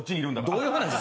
どういう話？